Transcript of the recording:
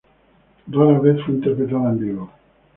Rara vez fue interpretada en vivo.